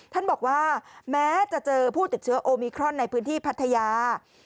ท่านบอกว่าแม้จะเจอผู้ติดเชื้อโอมิครอนในพื้นที่พัทยา